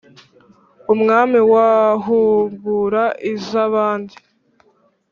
umwami wahungura iz'abandi